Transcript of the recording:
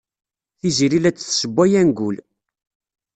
Tiziri la d-tessewway angul.